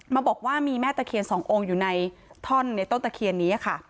บอกว่ามีแม่ตะเคียนสององค์อยู่ในท่อนในต้นตะเคียนนี้ค่ะ